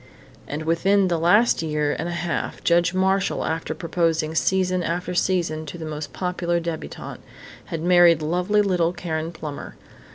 And within the last year and a half Judge Marshall, after proposing season after season to the most popular debutante, had married lovely little Karen Plummer.